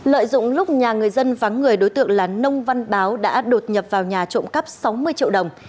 lợi dụng lúc nhà người dân vắng người đối tượng là nông văn báo đã đột nhập vào nhà trộm cắp sáu mươi triệu đồng